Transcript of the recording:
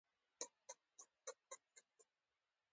په ګیلاس کې پراته یخي او ویسکي باندې مې سوډا ورو وراچول.